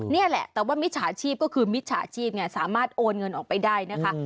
นี่แหละแต่ว่ามิจฉาชีพก็คือมิจฉาชีพไงสามารถโอนเงินออกไปได้นะคะ